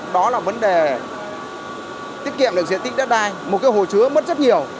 đó là vấn đề tiết kiệm được diện tích đất đai một cái hồ chứa mất rất nhiều